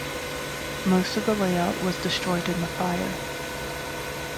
Most of the layout was destroyed in the fire.